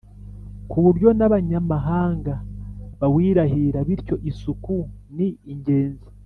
kuburyo nabanyamahanga bawirahira bityo isuku ni ingenzi